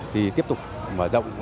thì tiếp tục mở rộng